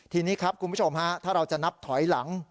ทีนี้ครับคุณผู้ชมฮะถ้าเราจะนับถอยหลัง